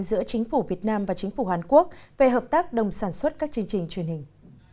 giữa chính phủ việt nam và chính phủ hàn quốc về hợp tác đồng sản xuất các chương trình truyền hình